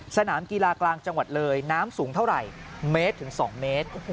สนามกีฬากลางจังหวัดเลยน้ำสูงเท่าไหร่เมตรถึง๒เมตร